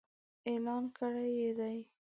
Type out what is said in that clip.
اعلان کړي يې دي.